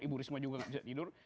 ibu risma juga bisa tidur